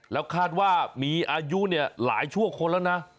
แล้วคาดว่ามีอายุหลายชั่วคนแล้วนะ